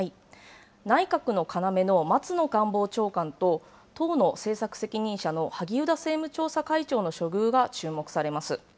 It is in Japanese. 内閣の要の松野官房長官と、党の政策責任者の萩生田政務調査会長の処遇が注目されます。